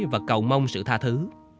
và cầu mong sự tha thứ